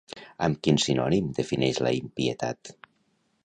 Amb quin sinònim defineix la impietat?